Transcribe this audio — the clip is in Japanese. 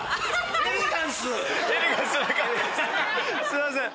すいません。